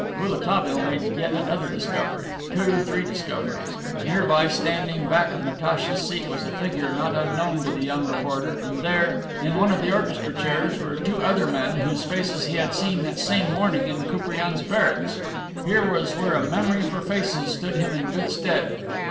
'" (Rouletabille made yet another discovery two, three discoveries. Near by, standing back of Natacha's seat, was a figure not unknown to the young reporter, and there, in one of the orchestra chairs, were two other men whose faces he had seen that same morning in Koupriane's barracks. Here was where a memory for faces stood him in good stead.